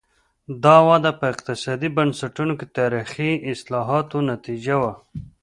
دا وده په اقتصادي بنسټونو کې تاریخي اصلاحاتو نتیجه وه.